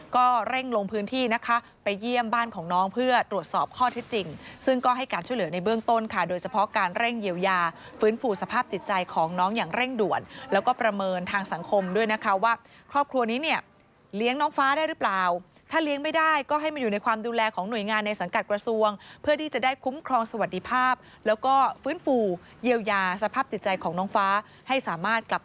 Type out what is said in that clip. ก็เร่งลงพื้นที่นะคะไปเยี่ยมบ้านของน้องเพื่อตรวจสอบข้อที่จริงซึ่งก็ให้การช่วยเหลือในเบื้องต้นค่ะโดยเฉพาะการเร่งเยียวยาฟื้นฟูสภาพจิตใจของน้องอย่างเร่งด่วนแล้วก็ประเมินทางสังคมด้วยนะคะว่าครอบครัวนี้เนี่ยเลี้ยงน้องฟ้าได้หรือเปล่าถ้าเลี้ยงไม่ได้ก็ให้มาอยู่ในความดูแลของหน่วยงานในสั